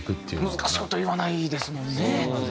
難しい事言わないですもんね。